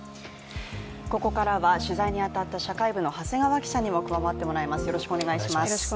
ここからは取材に当たった社会部の長谷川記者にも入ってもらいます。